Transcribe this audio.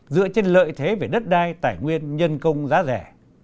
dựa trên lợi thế về đất đai tài nguyên nhân công giá rẻ